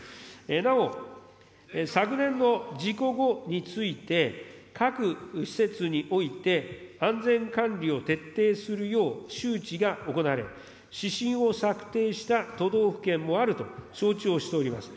なお、昨年の事故後について、各施設において、安全管理を徹底するよう周知が行われ、指針を策定した都道府県もあると承知をしております。